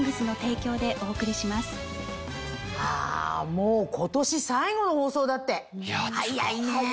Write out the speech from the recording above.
もう今年最後の放送だって早いね。